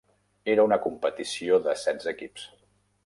Era una competició de setze equips.